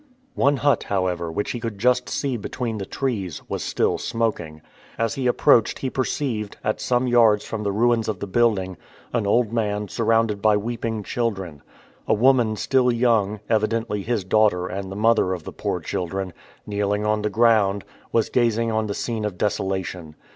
One hut, however, which he could just see between the trees, was still smoking. As he approached he perceived, at some yards from the ruins of the building, an old man surrounded by weeping children. A woman still young, evidently his daughter and the mother of the poor children, kneeling on the ground, was gazing on the scene of desolation.